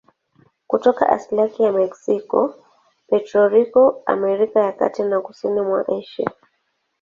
Kutoka asili yake ya Meksiko, Puerto Rico, Amerika ya Kati na kusini mwa Asia.